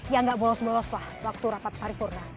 yang gak bolos bolos lah waktu rapat pari purna